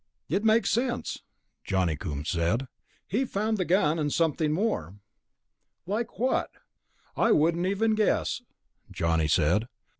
"It makes sense," Johnny Coombs said. "He found the gun, and something more." "Like what?" "I wouldn't even guess," Johnny said.